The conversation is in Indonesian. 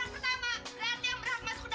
gak ada anak paling tua gak ada anak paling muda